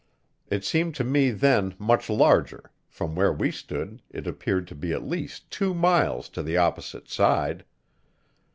It seemed to me then much larger; from where we stood it appeared to be at least two miles to the opposite side.